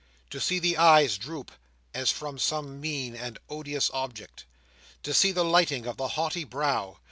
To see the eyes droop as from some mean and odious object! To see the lighting of the haughty brow!